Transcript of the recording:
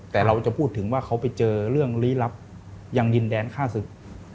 แต่เราจะพูดถึงว่าเขาไปเจอเรื่องลี้ลับยังดินแดนฆ่าศึก